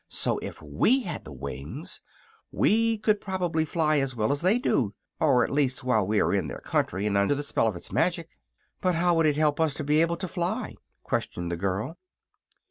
So, if we had the wings, we could probably fly as well as they do at least while we are in their country and under the spell of its magic." "But how would it help us to be able to fly?" questioned the girl.